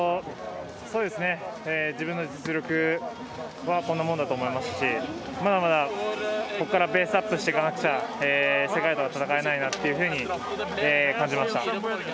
自分の実力はこんなもんだと思いますしまだまだ、ここからベースアップしていかなきゃ世界では戦えないなというふうに感じました。